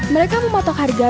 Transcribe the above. mereka mencari penyelamat